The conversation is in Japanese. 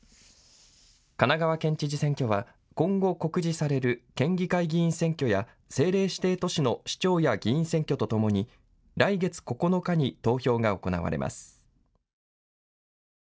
神奈川県知事選挙は、今後、告示される県議会議員選挙や政令指定都市の市長や議員選挙とともに、来月９日に投票が行われます。